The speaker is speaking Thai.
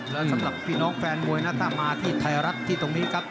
แล้วสำหรับพี่น้องแฟนมวยนะถ้ามาที่ไทยรัฐที่ตรงนี้ครับ